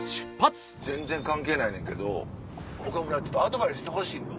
全然関係ないねんけど岡村ちょっとアドバイスしてほしいのよ。